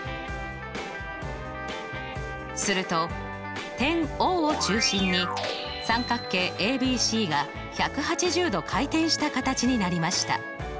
すると点Ｏを中心に三角形ＡＢＣが１８０度回転した形になりました。